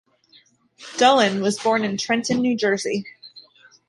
Doane was born in Trenton, New Jersey.